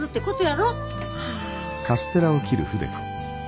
はあ。